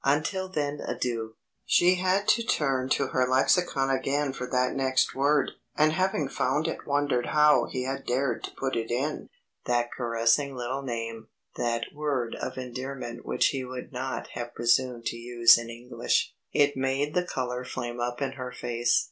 Until then adieu. She had to turn to her lexicon again for that next word, and having found it wondered how he had dared to put it in that caressing little name, that word of endearment which he would not have presumed to use in English. It made the colour flame up in her face.